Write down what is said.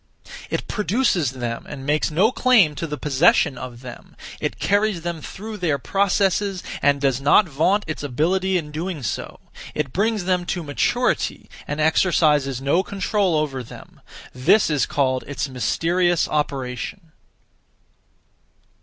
It produces them and makes no claim to the possession of them; it carries them through their processes and does not vaunt its ability in doing so; it brings them to maturity and exercises no control over them; this is called its mysterious operation.